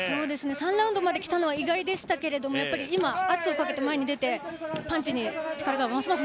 ３ラウンドまで来たのは意外でしたけれども今、圧をかけて前に出てパンチに力がまずます